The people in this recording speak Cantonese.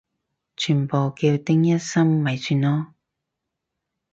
全部叫丁一心咪算囉